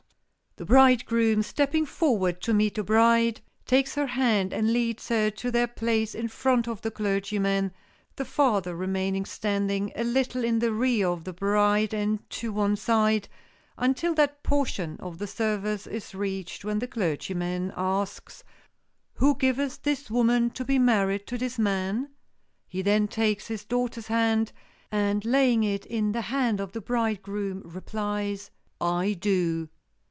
The bridegroom, stepping forward to meet the bride, takes her hand and leads her to their place in front of the clergyman, the father remaining standing a little in the rear of the bride and to one side until that portion of the service is reached when the clergyman asks, "Who giveth this woman to be married to this man?" He then takes his daughter's hand, and laying it in the hand of the bridegroom, replies, "I do."